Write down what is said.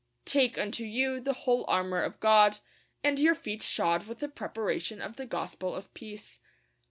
'Take unto you the whole armour of God ... and your feet shod with the preparation of the gospel of peace.'